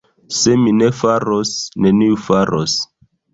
Se mi ne faros, neniu faros.